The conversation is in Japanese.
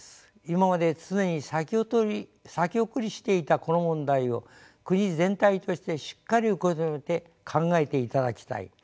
今まで常に先送りしていたこの問題を国全体としてしっかり受け止めて考えていただきたい。